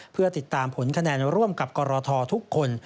เพื่อติดตามผลคะแนนร่วมกับกรททุกคน